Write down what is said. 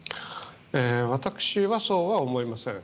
私はそうは思いません。